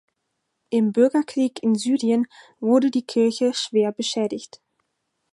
Im Bürgerkrieg in Syrien wurde die Kirche schwer beschädigt.